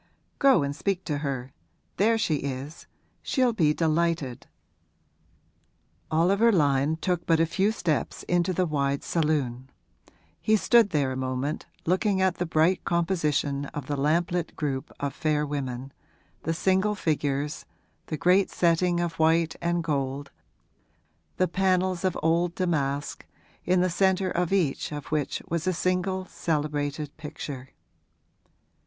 'Go and speak to her; there she is she'll be delighted.' Oliver Lyon took but a few steps into the wide saloon; he stood there a moment looking at the bright composition of the lamplit group of fair women, the single figures, the great setting of white and gold, the panels of old damask, in the centre of each of which was a single celebrated picture.